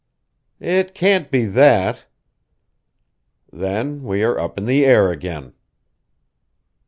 "It can't be that." "Then we are up in the air again."